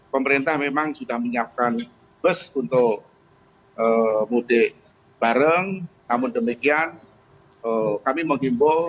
pemerintah memang sudah menyiapkan bus untuk mudik bareng namun demikian kami menghimbau